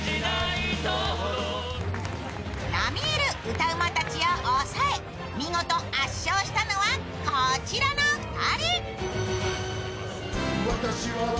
並み居る歌うまたちを抑え見事、圧勝したのはこちらの２人。